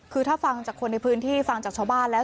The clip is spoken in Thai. คือถ้าฟังจากคนในพื้นที่ฟังจากชาวบ้านแล้ว